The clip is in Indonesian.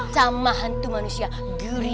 sama hantu manusia gurita